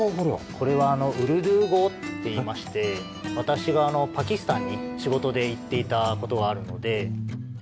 これはウルドゥー語っていいまして私がパキスタンに仕事で行っていた事があるので。